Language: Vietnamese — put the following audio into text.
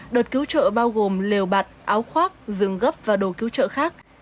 đợt cứu trợ bao gồm liều bạc áo khoác rừng gấp và đồ cứu trợ khác